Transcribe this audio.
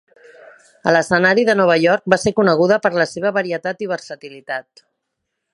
A l'escenari de Nova York, va ser coneguda per la seva varietat i versatilitat.